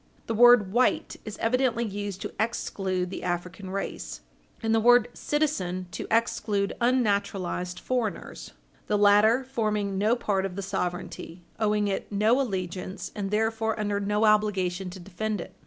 The word white is evidently used to exclude the African race, and the word "citizen" to exclude unnaturalized foreigners, the latter forming no part of the sovereignty, owing it no allegiance, and therefore under no obligation to defend it.